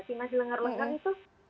masih masih lengar lengar itu